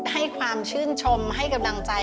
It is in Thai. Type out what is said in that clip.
ให้ความชื่นชมให้กำลังใจ